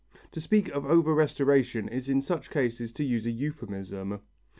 To speak of over restoration is in such cases to use a euphemism.